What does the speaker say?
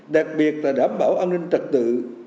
đặc biệt là đảm bảo an ninh trật tự